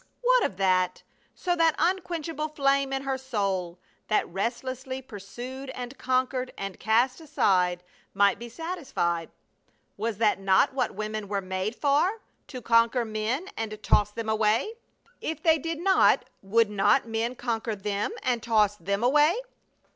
What of that, so that unquenchable flame in her soul, that restlessly pursued and conquered and cast aside, might be satisfied? Was that not what women were made for, to conquer men and toss them away? If they did not would not men conquer them and toss them away?